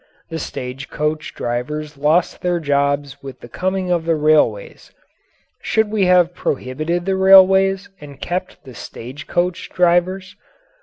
The stage coach drivers lost their jobs with the coming of the railways. Should we have prohibited the railways and kept the stage coach drivers?